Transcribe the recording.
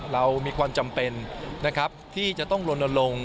เรามีความจำเป็นที่จะต้องลดลง